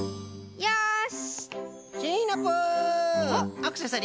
よし！